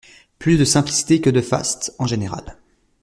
Plus de simplicité que de faste, en général.